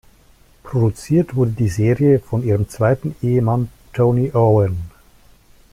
Produziert wurde die Serie von ihrem zweiten Ehemann Tony Owen.